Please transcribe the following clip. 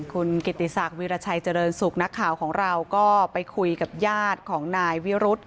คุณกิติศักดิราชัยเจริญสุขนักข่าวของเราก็ไปคุยกับญาติของนายวิรุธ